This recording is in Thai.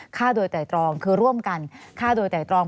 ฆ่าโดยไตรตรองคือร่วมกันฆ่าโดยไตรตรอง